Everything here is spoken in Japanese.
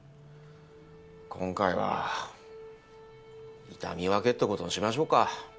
今回は痛み分けって事にしましょうか。